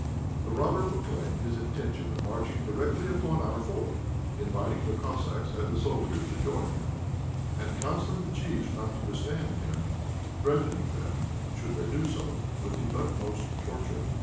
The robber proclaimed his intention of marching directly upon our fort, inviting the Cossacks and the soldiers to join him, and counselling the chiefs not to withstand him, threatening them, should they do so, with the utmost torture.